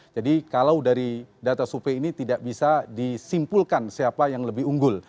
jadi kalau dari data sope ini tidak bisa disimpulkan siapa yang lebih unggul